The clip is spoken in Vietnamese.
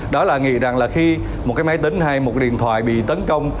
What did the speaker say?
đó là nghĩ rằng là khi một cái máy tính hay một điện thoại bị tấn công